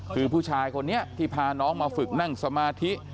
คือผู้ชายคนนี้ที่พาน้องมาฝึกนั่งสมาธิ